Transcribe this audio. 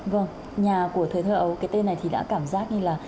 vâng nhà của thời thơ ấu cái tên này thì đã cảm giác như là